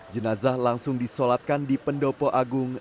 jenazah langsung disolatkan di pendopo agung